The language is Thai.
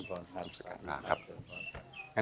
พบธิการ